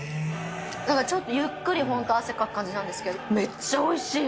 なんかちょっと、ゆっくり本当、汗かく感じなんですけど、めっちゃおいしい！